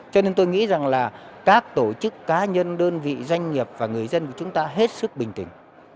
cho nên tôi nghĩ rằng là các tổ chức cá nhân đơn vị doanh nghiệp và người dân của chúng ta hết sức bình tĩnh